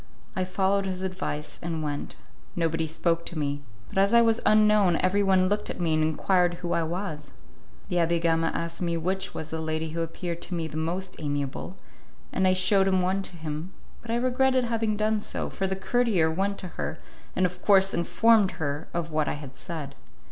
I followed his advice and went; nobody spoke to me, but as I was unknown everyone looked at me and enquired who I was. The Abbé Gama asked me which was the lady who appeared to me the most amiable, and I shewed one to him; but I regretted having done so, for the courtier went to her, and of course informed her of what I had said.